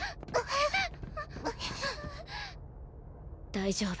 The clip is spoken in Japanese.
大丈夫。